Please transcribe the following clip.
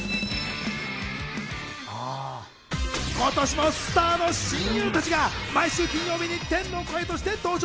今年もスターの親友たちが毎週金曜日に天の声として登場。